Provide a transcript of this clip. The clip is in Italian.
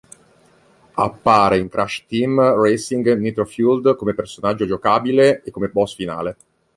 Appare in Crash Team Racing Nitro-Fueled come personaggio giocabile e come boss finale.